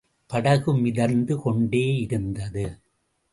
படகு மிதந்து கொண்டே யிருந்தது.